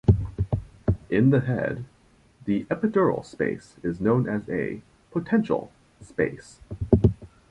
In the head, the epidural space is known as a potential space.